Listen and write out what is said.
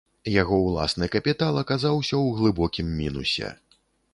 Яго ўласны капітал аказаўся ў глыбокім мінусе.